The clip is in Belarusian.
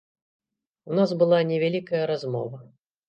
У нас была невялікая размова.